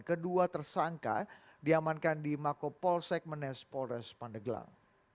kedua tersangka diamankan di mako polsek menes polres pandeglang